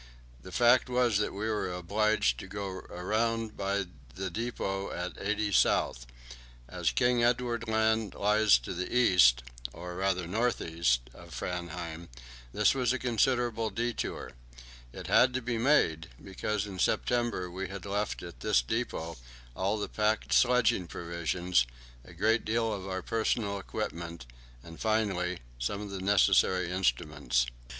The fact was that we were obliged to go round by the depot in 80° S. As King Edward Land lies to the east, or rather north east, of Framheim, this was a considerable detour; it had to be made, because in September we had left at this depot all the packed sledging provisions, a good deal of our personal equipment, and, finally, some of the necessary instruments.